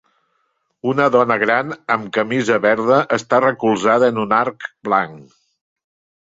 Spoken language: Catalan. Una dona gran amb camisa verda està recolzada en un arc blanc.